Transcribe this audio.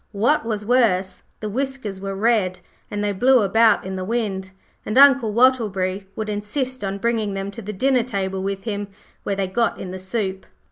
What was worse, the whiskers were red, and they blew about in the wind, and Uncle Wattleberry would insist on bringing them to the dinner table with him, where they got in the soup.